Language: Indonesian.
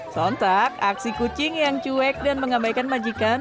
son tak aksi kucing yang cuek dan mengabaikan majikan